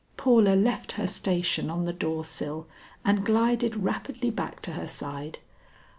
Paula left her station on the door sill and glided rapidly back to her side.